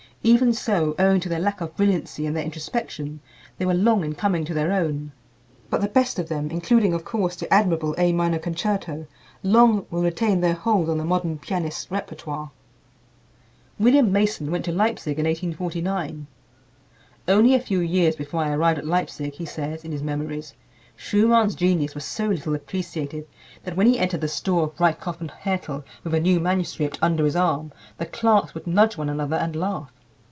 Even so, owing to their lack of brilliancy and their introspection, they were long in coming to their own. But the best of them, including, of course, the admirable "A Minor Concerto," long will retain their hold on the modern pianist's repertoire. William Mason went to Leipzig in 1849. "Only a few years before I arrived at Leipzig," he says in his "Memories," "Schumann's genius was so little appreciated that when he entered the store of Breitkopf & Härtel with a new manuscript under his arm, the clerks would nudge one another and laugh.